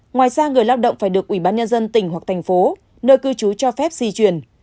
ngoài ra người lao động phải được ubnd tỉnh hoặc thành phố nơi cư trú cho phép di chuyển